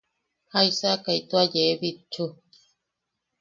¿Jaisakai tua yee bitchu?